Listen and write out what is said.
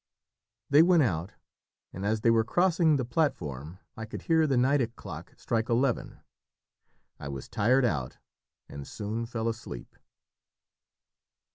They went out, and as they were crossing the platform I could hear the Nideck clock strike eleven. I was tired out and soon fell asleep.